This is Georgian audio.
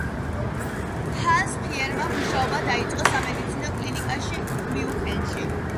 ჰანს ფიშერმა მუშაობა დაიწყო სამედიცინო კლინიკაში, მიუნხენში.